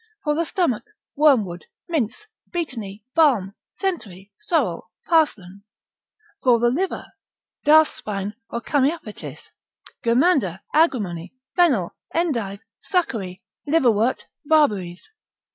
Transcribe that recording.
For the stomach, wormwood, mints, betony, balm, centaury, sorrel, parslan. For the liver, darthspine or camaepitis, germander, agrimony, fennel, endive, succory, liverwort, barberries.